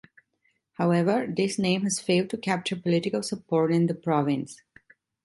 However, this name has failed to capture political support in the province.